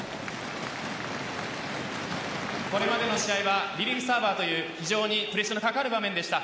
これまでの試合はリリーフサーバーという非常にプレッシャーのかかる場面でした。